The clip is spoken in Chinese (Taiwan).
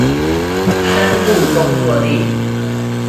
深度工作力